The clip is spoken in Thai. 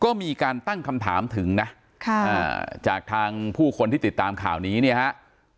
ก็มีการตั้งคำถามถึงนะจากทางผู้คนที่ติดตามข่าวนี้เนี่ยฮะ